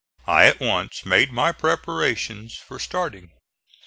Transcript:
I at once made my preparations for starting.